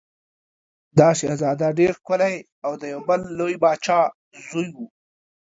دا شهزاده ډېر ښکلی او د یو بل لوی پاچا زوی و.